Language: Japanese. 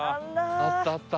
あったあった。